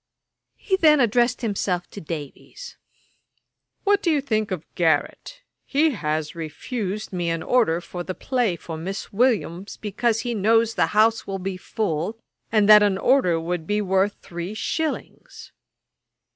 He then addressed himself to Davies: 'What do you think of Garrick? He has refused me an order for the play for Miss Williams, because he knows the house will be full, and that an order would be worth three shillings.'